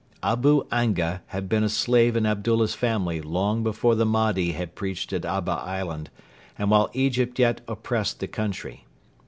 Abu Anga had been a slave in Abdullah's family long before the Mahdi had preached at Abba island and while Egypt yet oppressed the country.